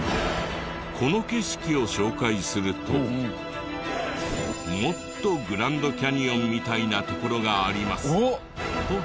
この景色を紹介するともっとグランドキャニオンみたいな所がありますと投稿が。